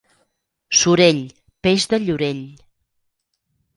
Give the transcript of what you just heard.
Sorell, peix de Llorell.